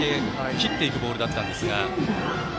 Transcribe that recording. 切っていくボールだったんですが。